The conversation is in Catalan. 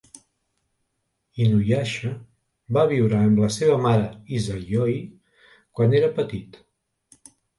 Inuyasha va viure amb la seva mare Izayoi quan era petit.